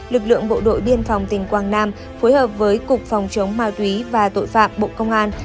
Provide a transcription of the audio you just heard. lực lượng bộ đội biên phòng tỉnh quảng nam phối hợp với cục phòng chống ma túy và tội phạm bộ công an